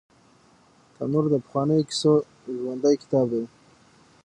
تنور د پخوانیو کیسو ژوندي کتاب دی